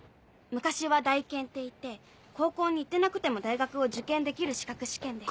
昔は「大検」っていって高校に行ってなくても大学を受験できる資格試験で。